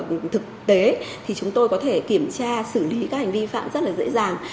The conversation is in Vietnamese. trên môi trường thực tế thì chúng tôi có thể kiểm tra xử lý các hành vi vi phạm rất là dễ dàng